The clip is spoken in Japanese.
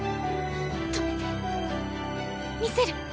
止めてみせる。